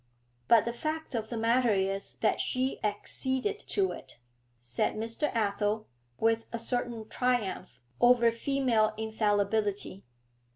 'But the fact of the matter is that she acceded to it,' said Mr. Athel, with a certain triumph over female infallibility.